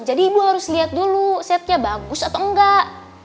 jadi ibu harus lihat dulu setnya bagus atau enggak